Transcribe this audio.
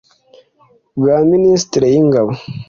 Bwa minisiteri y ingabo